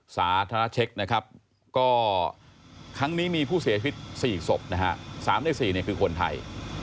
สาธารณะเช็กครั้งนี้มีผู้เสียชีวิต๔ศพ๓ใด๔คือคนไทย